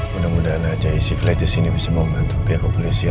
mudah mudahan aja si flash disini bisa membantu pihak polisi